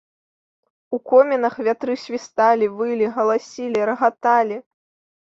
У комінах вятры свісталі, вылі, галасілі, рагаталі.